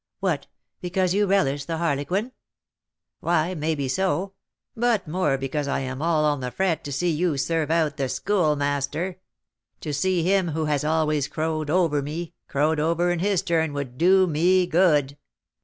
"What! because you relish the harlequin?" "Why, may be so; but more because I am all on the fret to see you 'serve out' the Schoolmaster. To see him who has always crowed over me, crowed over in his turn would do me good."